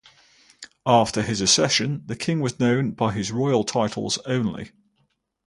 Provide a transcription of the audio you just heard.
After his accession, the king was known by his royal titles only.